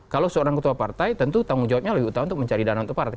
kalau seorang ketua partai tentu tanggung jawabnya lebih utama untuk mencari dana untuk partai